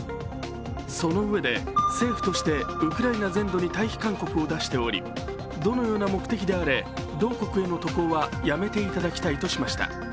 そのうえで、政府としてウクライナ全土に退避勧告を出しておりどのような目的であれ、同国への渡航はやめていただきたいとしました。